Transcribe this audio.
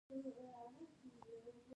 زه په پاکو کالو کښي ګرځم.